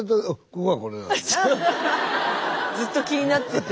ずっと気になってて。